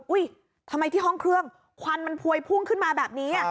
ทำไมที่ห้องเครื่องควันมันพวยพุ่งขึ้นมาแบบนี้